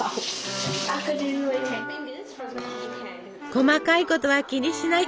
細かいことは気にしない！